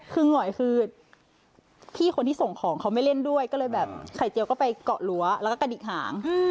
คือหงอยคือพี่คนที่ส่งของเขาไม่เล่นด้วยก็เลยแบบไข่เจียวก็ไปเกาะรั้วแล้วก็กระดิกหาง